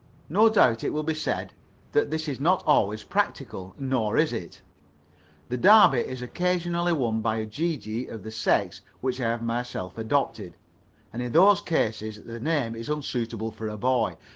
No doubt it will be said that this is not always practical; nor is it the Derby is occasionally won by a gee gee of the sex which I have myself adopted, and in those cases the name is unsuitable for a boy.